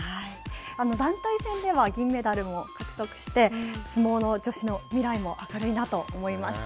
団体戦では銀メダルを獲得して、相撲の女子の未来も明るいなと思いました。